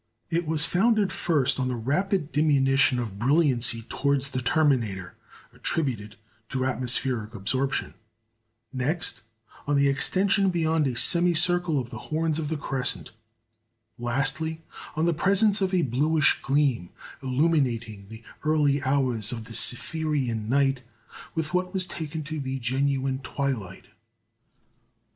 It was founded, first, on the rapid diminution of brilliancy towards the terminator, attributed to atmospheric absorption; next, on the extension beyond a semicircle of the horns of the crescent; lastly, on the presence of a bluish gleam illuminating the early hours of the Cytherean night with what was taken to be genuine twilight.